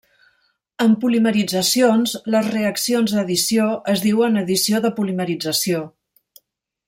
En polimeritzacions les reaccions d'addició es diuen addició de polimerització.